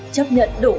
chấp nhận đối tượng